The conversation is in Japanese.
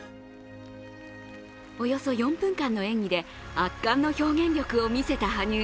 およそ４分間の演技で圧巻の表現力を見せた羽生。